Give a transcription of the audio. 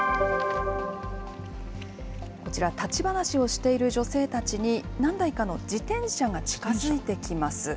こちら、立ち話をしている女性たちに、何台かの自転車が近づいてきます。